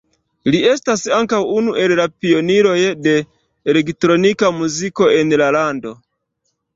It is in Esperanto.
Li estas ankaŭ unu el la pioniroj de elektronika muziko en la lando.